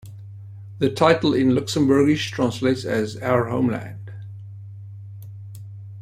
The title in Luxembourgish translates as "Our Homeland".